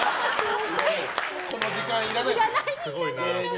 この時間いらないですよ。